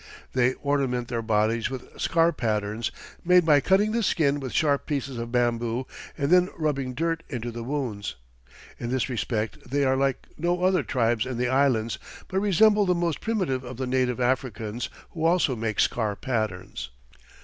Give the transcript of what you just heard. They ornament their bodies with scar patterns, made by cutting the skin with sharp pieces of bamboo and then rubbing dirt into the wounds. In this respect they are like no other tribes in the Islands but resemble the most primitive of the native Africans, who also make scar patterns.